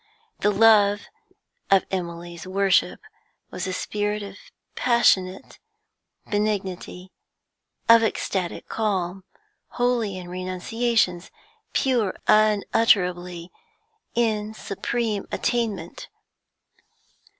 The Love of Emily's worship was a spirit of passionate benignity, of ecstatic calm, holy in renunciations, pure unutterably in supreme attainment.